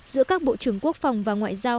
giữa các bộ trưởng quốc phòng và ngoại giao